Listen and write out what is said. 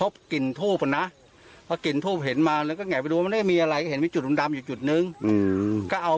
พี่มงคลยังบอกอีกว่าต้นตะเคียนท่อนี้นะยาว๑๗๑๘เมตรนะครับ